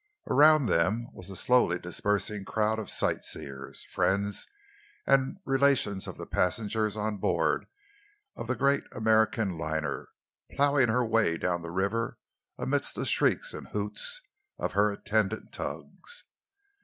Around them was a slowly dispersing crowd of sightseers, friends and relations of the passengers on board the great American liner, ploughing her way down the river amidst the shrieks and hoots of her attendant tugs.